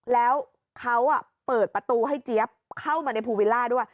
แล้วเขาเปิดประตูให้เจี๊ยบเข้ามาในภูวิลล่าด้วย